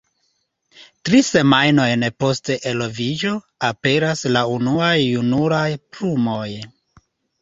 Tri semajnojn post eloviĝo, aperas la unuaj junulaj plumoj.